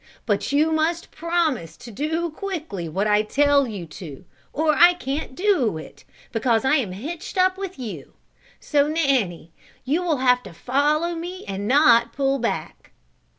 But you must promise to do quickly what I tell you to, or I can't do it, because I am hitched up with you; so, Nanny, you will have to follow me and not pull back."